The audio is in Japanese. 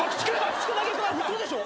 嘘でしょ？